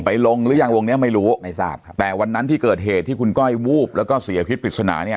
ลงหรือยังวงเนี้ยไม่รู้ไม่ทราบครับแต่วันนั้นที่เกิดเหตุที่คุณก้อยวูบแล้วก็เสียพิษปริศนาเนี่ย